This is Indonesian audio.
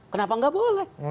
kenapa nggak boleh